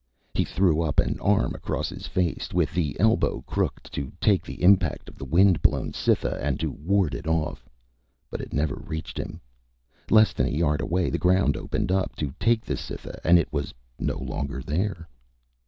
He threw up an arm across his face, with the elbow crooked, to take the impact of the wind blown Cytha and to ward it off. But it never reached him. Less than a yard away, the ground opened up to take the Cytha and it was no longer there.